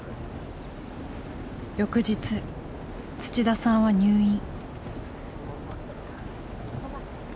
翌日土田さんは入院。